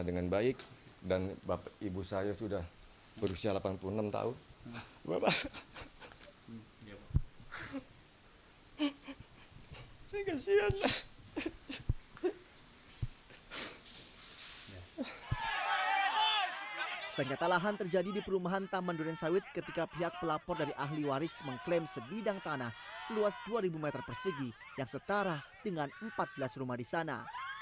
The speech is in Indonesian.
sengketa lahan terjadi di perumahan taman duran sawit ketika pihak pelapor dari ahli waris mengklaim sebidang tanah seluas dua ribu meter persegi yang setara dengan empat belas rumah di sana